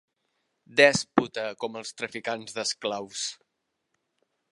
Dèspota com els traficants d'esclaus.